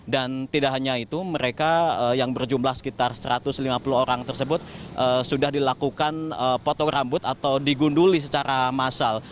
tidak hanya itu mereka yang berjumlah sekitar satu ratus lima puluh orang tersebut sudah dilakukan potong rambut atau digunduli secara massal